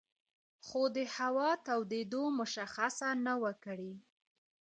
خو د هوا تودېدو مشخصه نه وه کړې